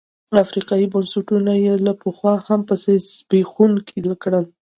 افریقايي بنسټونه یې له پخوا هم پسې زبېښونکي کړل.